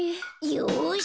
よし。